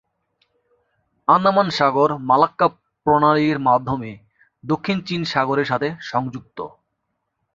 আন্দামান সাগর মালাক্কা প্রণালীর মাধ্যমে দক্ষিণ চীন সাগরের সাথে সংযুক্ত।